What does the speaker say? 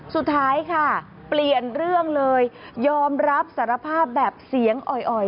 สุดท้ายค่ะเปลี่ยนเรื่องเลยยอมรับสารภาพแบบเสียงอ่อย